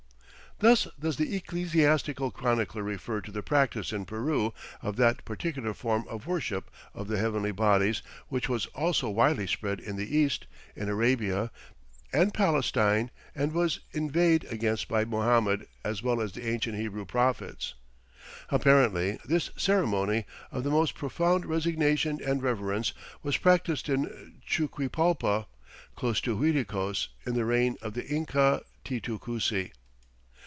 Thus does the ecclesiastical chronicler refer to the practice in Peru of that particular form of worship of the heavenly bodies which was also widely spread in the East, in Arabia, and Palestine and was inveighed against by Mohammed as well as the ancient Hebrew prophets. Apparently this ceremony "of the most profound resignation and reverence" was practiced in Chuquipalpa, close to Uiticos, in the reign of the Inca Titu Cusi.